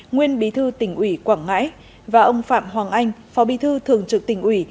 nguyên bí thư tỉnh ủy quảng ngãi và ông phạm hoàng anh phó bí thư thường trực tỉnh ủy